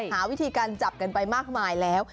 หาวิธีการจับกันไปมากมายแล้ว